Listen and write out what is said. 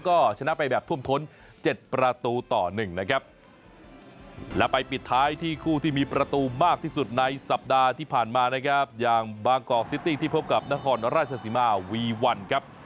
ก็ชนะไปแบบท่วมท้น๗ประตูต่อ๑นะครับ